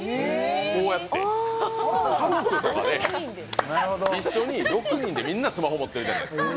こうやって、一緒に６人で、みんなスマホ持ってるじゃないですか。